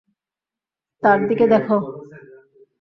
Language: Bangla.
তার দিকে দেখো।